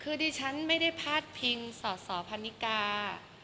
คือดิฉันไม่ได้พาดพิงสอสอพันนิกา